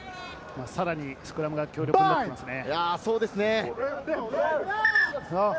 さらにスクラムが強力になってきますね。